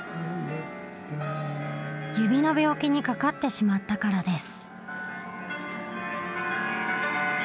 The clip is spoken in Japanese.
指の病気にかかってしまったからです。